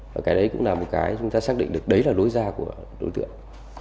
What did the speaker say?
và cái đấy cũng là một cái chúng ta xác định được đấy là đối gia của đối tượng